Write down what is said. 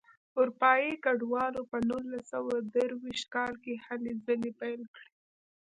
اروپایي کډوالو په نولس سوه درویشت کال کې هلې ځلې پیل کړې.